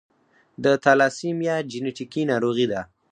د تالاسیمیا جینیټیکي ناروغي ده.